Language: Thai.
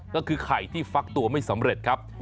ก็คือไข่ที่ฟักตัวไม่สำเร็จครับ